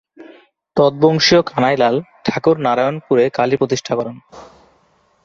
তদ্ববংশীয় কানাইলাল ঠাকুর নারায়ন পুরে কালি প্রতিষ্ঠা করেন।